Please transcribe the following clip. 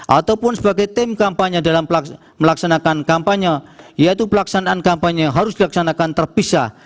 ataupun sebagai tim kampanye dalam melaksanakan kampanye yaitu pelaksanaan kampanye yang harus dilaksanakan terpisah